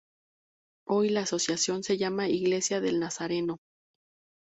Hoy, la Asociación se llama Iglesia del nazareno.